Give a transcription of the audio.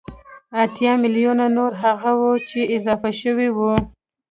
اتيا ميليونه نور هغه وو چې اضافه شوي وو